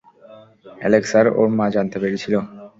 Alex আর ওর মা জানতে পেরেছিল।